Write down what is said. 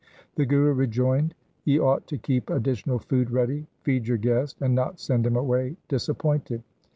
The Guru rejoined, 'Ye ought to keep additional food ready, feed your guest, and not send him away disap pointed.